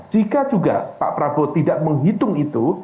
jika juga pak prabowo tidak menghitung itu